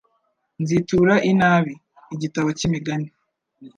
«Nzitura inabi» igitabo cy’Imigani